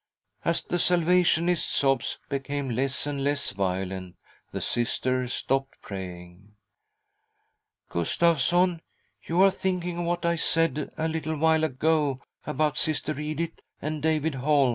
As the Salvationist's sobs became less and less violent, the Sister stopped praying. •" Gustavsson, you are thinking of what I said a little while ago about Sister Edith and David Holm."